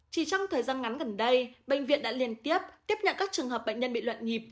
chỉ trong thời gian ngắn gần đây bệnh viện đã liên tiếp tiếp nhận các trường hợp bệnh nhân bị luận nhịp